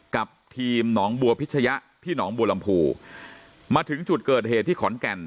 กับทีมหนองบัวพิชยะที่หนองบัวลำพูมาถึงจุดเกิดเหตุที่ขอนแก่น